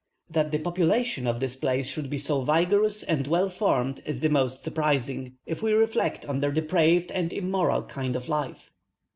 That the population of this place should be so vigorous and well formed is the more surprising, if we reflect on their depraved and immoral kind of life.